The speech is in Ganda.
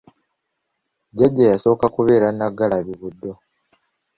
Jjajja yasooka kubeera Nnaggalabi Buddo.